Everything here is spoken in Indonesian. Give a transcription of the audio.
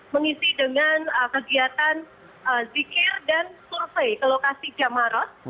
mengisi dengan kegiatan zikir dan survei ke lokasi jamaros